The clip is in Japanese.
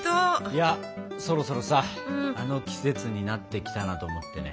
いやそろそろさあの季節になってきたなと思ってね。